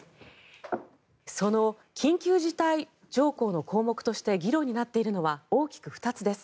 その緊急事態条項の項目として議論になっているのは大きく２つです。